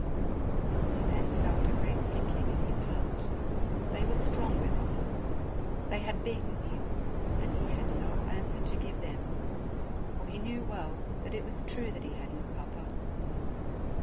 He then felt a great sinking in his heart. They were stronger than he was, they had beaten him and he had no answer to give them, for he knew well that it was true that he had no Papa.